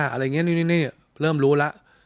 อะไรอย่างนี้นี่เริ่มรู้แล้ว